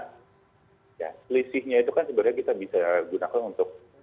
ya selisihnya itu kan sebenarnya kita bisa gunakan untuk